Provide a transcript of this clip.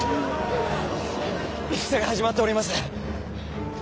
戦が始まっております。